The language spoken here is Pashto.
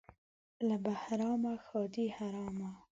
له بهرامه ښادي حرامه.